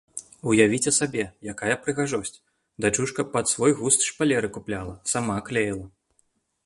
Уявіце сабе, якая прыгажосць, дачушка пад свой густ шпалеры купляла, сама клеіла.